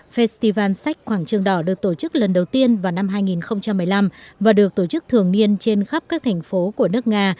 festival sách quảng trường đỏ được tổ chức lần đầu tiên vào năm hai nghìn một mươi năm và được tổ chức thường niên trên khắp các thành phố của nước nga